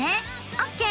オッケー！